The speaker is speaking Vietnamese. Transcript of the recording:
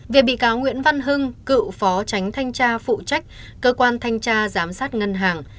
về bị cáo nguyễn văn hưng cựu phó tránh thanh tra phụ trách cơ quan thanh tra giám sát ngân hàng